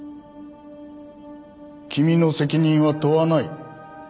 君の責任は問わない。